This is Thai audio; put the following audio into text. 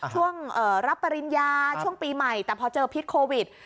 ช่วงรับปริญญาช่วงปีใหม่แต่พอเจอพิษโควิด